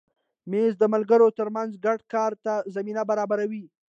مېز د ملګرو تر منځ ګډ کار ته زمینه برابروي.